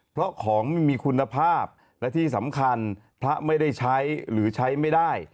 เพราะของไม่มีคุณภาพและที่สำคัญพระไม่ได้ใช้หรือใช้ไม่ได้